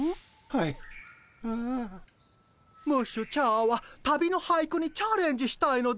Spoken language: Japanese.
ムッシュチャーは旅の俳句にチャレンジしたいのです。